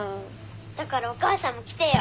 だからお母さんも来てよ。